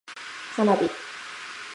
花火